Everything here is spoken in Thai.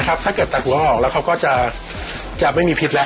ถ้าเกิดตัดหัวงอกแล้วเขาก็จะไม่มีพิษแล้ว